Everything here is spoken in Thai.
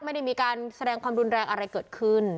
ไม่ได้มีการแสดงความรุนแรงอะไรเกิดขึ้น